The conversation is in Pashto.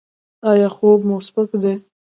ایا خوب مو سپک دی؟